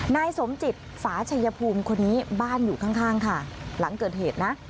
นายสมจิตฝาชัยภูมิคนนี้บ้านอยู่ข้างข้างค่ะหลังเกิดเหตุนะ